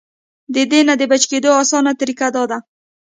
د دې نه د بچ کېدو اسانه طريقه دا ده -